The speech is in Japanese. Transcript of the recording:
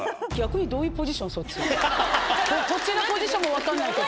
こっちのポジションも分かんないけど。